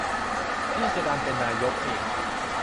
พี่จะดันเป็นนายกเอง